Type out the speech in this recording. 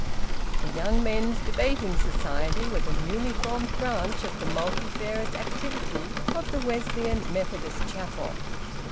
The Young Men's Debating Society was a newly formed branch of the multifarous activity of the Wesleyan Methodist Chapel.